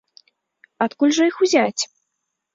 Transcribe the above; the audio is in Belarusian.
Адкуль жа іх узяць?